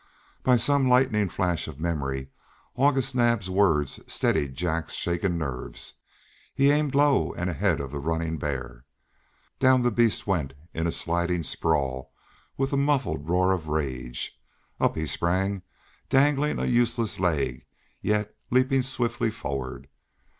By some lightning flash of memory, August Naab's words steadied Jack's shaken nerves. He aimed low and ahead of the running bear. Down the beast went in a sliding sprawl with a muffled roar of rage. Up he sprang, dangling a useless leg, yet leaping swiftly forward.